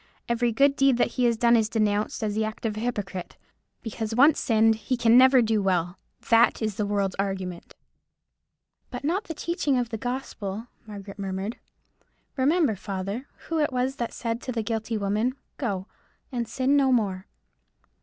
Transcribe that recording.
Every good deed that he has done is denounced as the act of a hypocrite. Because once sinned he can never do well. That is the world's argument." "But not the teaching of the gospel," Margaret murmured. "Remember, father, who it was that said to the guilty woman, Go, and sin no more.'"